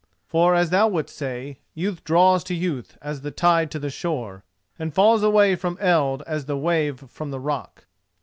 For, as thou wouldst say, youth draws to youth as the tide to the shore, and falls away from eld as the wave from the rock.